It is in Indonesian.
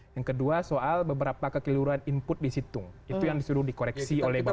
yang kedua soal beberapa kekeliruan input di situng itu yang disuruh dikoreksi oleh bawaslu